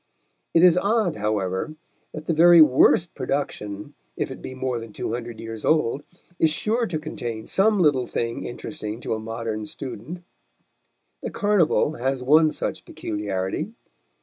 It is odd, however, that the very worst production, if it be more than two hundred years old, is sure to contain some little thing interesting to a modern student. The Carnival has one such peculiarity.